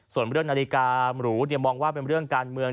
ส่วนเรื่องนาฬิการูมองว่าเป็นเรื่องการเมือง